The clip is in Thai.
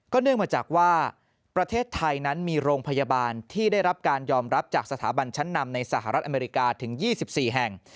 เนื่องมาจากว่าประเทศไทยนั้นมีโรงพยาบาลที่ได้รับการยอมรับจากสถาบันชั้นนำในสหรัฐอเมริกาถึง๒๔แห่ง